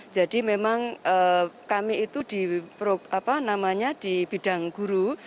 jadi memang kami itu di bidang guru